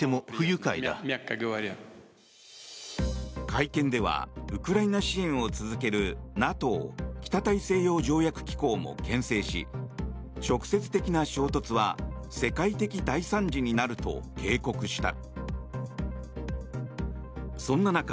会見ではウクライナ支援を続けるＮＡＴＯ・北大西洋条約機構もけん制し直接的な衝突は世界的大惨事になると警告した。